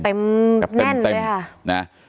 แน่นเลยอ่ะ